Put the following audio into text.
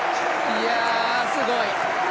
いや、すごい。